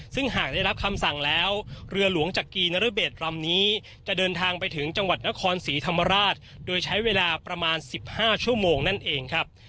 ซึ่งหากได้รับคำสั่งแล้วเรือหลวงจักรีนรเบศลำนี้จะเดินทางไปถึงจังหวัดนครศรีธรรมราชโดยใช้เวลาประมาณ๑๕ชั่วโมงนั่นเองครับ